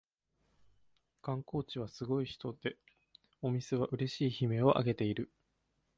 観光地はすごい人出でお店はうれしい悲鳴をあげている